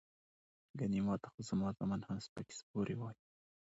ګني ماته خو زما زامن هم سپکې سپورې وائي" ـ